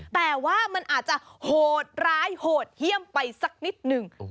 แต่ว่ามันอาจจะโหดร้ายโหดเยี่ยมไปสักนิดหนึ่ง